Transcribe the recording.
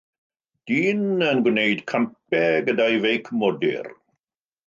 Dyn yn gwneud campau gyda'i feic modur.